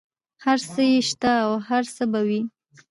هر څه یې شته او هر څه به وي.